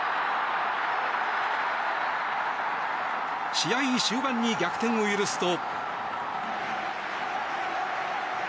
試合終盤に逆転を許すと。